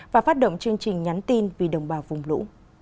và phát động chương trình nhắn tin vì đồng bào vùng lũ